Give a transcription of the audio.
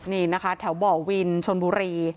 นี่นะคะแถวบ่อวินชนบุรี